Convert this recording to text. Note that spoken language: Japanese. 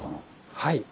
はい。